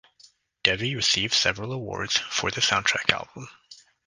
Devi received several awards for the soundtrack album.